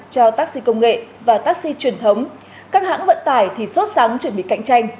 cho taxi công nghệ và taxi truyền thống các hãng vận tải thì sốt sáng chuẩn bị cạnh tranh